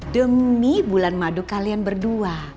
demi bulan madu kalian berdua